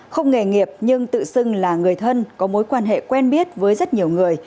không nghề nghiệp nhưng tự xưng là người thân có mối quan hệ quen biết với rất nhiều người